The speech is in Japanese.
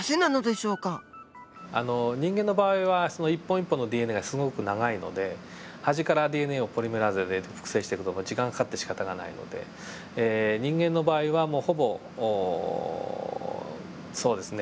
人間の場合は一本一本のＤＮＡがすごく長いので端からＤＮＡをポリメラーゼで複製していくと時間がかかってしかたがないので人間の場合にはもうほぼそうですね